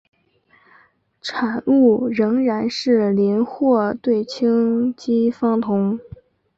产物仍然是邻或对羟基芳酮。